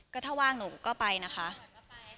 ก็ถ้าว่างหนูก็ไปนะคะ